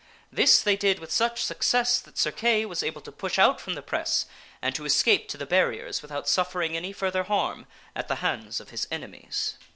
This they did with such success that Sir Kay was able to push out from the press and to escape to the barriers without suffering any further harm at the hands of his enemies.